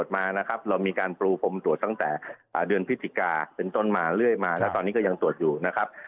มานะครับเรามีการปรูพรมตรวจตั้งแต่เดือนพฤศจิกาเป็นต้นมาเรื่อยมาแล้วตอนนี้ก็ยังตรวจอยู่นะครับ